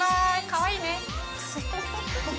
かわいいね。